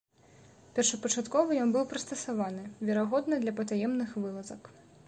Першапачаткова ён быў прыстасаваны, верагодна, для патаемных вылазак.